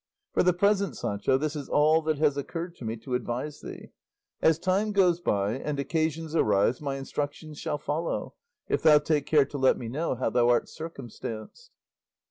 "For the present, Sancho, this is all that has occurred to me to advise thee; as time goes by and occasions arise my instructions shall follow, if thou take care to let me know how thou art circumstanced."